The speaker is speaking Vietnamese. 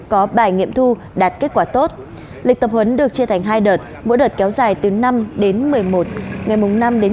có bài nghiệm thu đạt kết quả tốt lịch tập huấn được chia thành hai đợt mỗi đợt kéo dài từ năm đến một mươi một